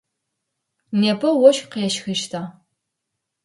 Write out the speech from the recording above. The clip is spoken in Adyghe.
Непэ ощх къещхыщта?